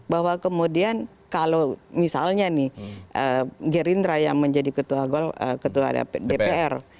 bahwa kemudian kalau misalnya nih gerindra yang menjadi ketua dpr